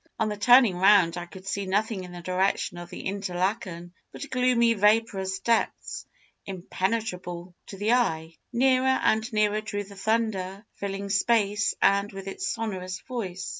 On turning round, I could see nothing in the direction of Interlachen but gloomy vaporous depths, impenetrable to the eye. Nearer and nearer drew the thunder, filling space with its sonorous voice.